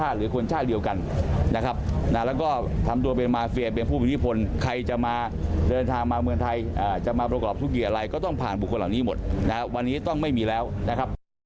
คือเอาศพไปแช่แข็งเพราะว่าเวลาหั่นศพศพจะได้ไม่มีลึก